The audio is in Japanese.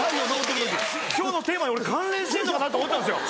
今日のテーマに関連してるのかなと思ったんですよ。